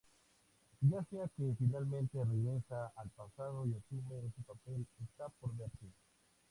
Ya sea que finalmente regresa al pasado y asume ese papel está por verse.